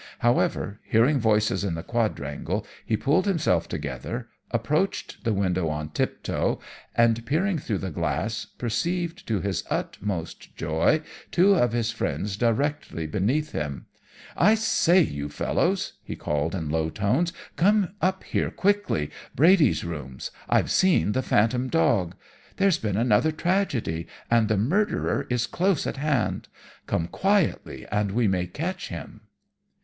However, hearing voices in the quadrangle, he pulled himself together, approached the window on tiptoe, and, peering through the glass, perceived to his utmost joy two of his friends directly beneath him. 'I say, you fellows,' he called in low tones, 'come up here quickly Brady's rooms. I've seen the phantom dog. There's been another tragedy, and the murderer is close at hand. Come quietly and we may catch him!'